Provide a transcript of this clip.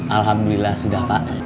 alhamdulillah sudah pak